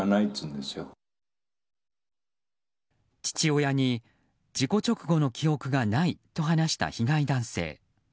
父親に事故直後の記憶がないと話した被害男性。